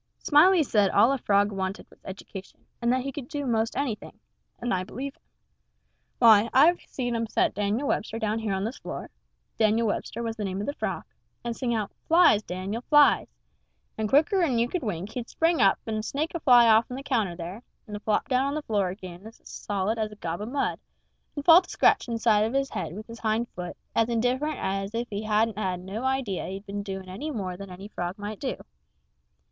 Smiley said all a frog wanted was education and he could do 'most anything and I believe him. Why, I've seen him set Dan'l Webster down here on this floor Dan'l Webster was the name of the frog and sing out, "Flies, Dan'l, flies!" and quicker'n you could wink he'd spring straight up and snake a fly off'n the counter there, and flop down on the floor ag'in as solid as a gob of mud, and fall to scratching the side of his head with his hind foot as indifferent as if he hadn't no idea he'd been doin' any more'n any frog might do.